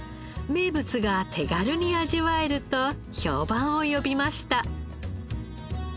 名物が手軽に味わえると評判を呼びました。